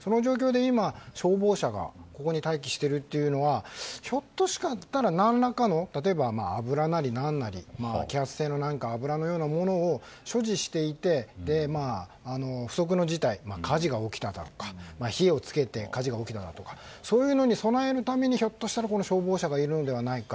その状況で今、消防車がここに待機しているのはひょっとしたら何らかの例えば油なり何なり揮発性のような油のものを所持していて、不測の事態火を付けて火事が起きただとかに備えるためにひょっとしたら消防車がいるのではないか。